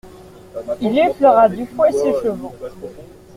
Il effleura du fouet ses chevaux.